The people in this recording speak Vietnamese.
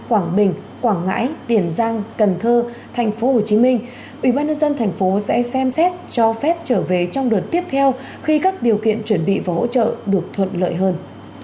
ủy ban nhân dân thành phố sẽ xem xét cho phép trở về trong đợt tiếp theo khi các điều kiện chuẩn bị và hỗ trợ được thuận lợi hơn